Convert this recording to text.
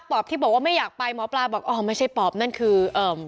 ปอบที่บอกว่าไม่อยากไปหมอปลาบอกอ๋อไม่ใช่ปอบนั่นคือเอ่อ